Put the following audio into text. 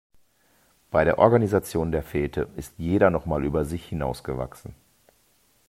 Bei der Organisation der Fete ist jeder noch mal über sich hinaus gewachsen.